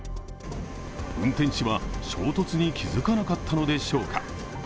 運転士は衝突に気づかなかったのでしょうか？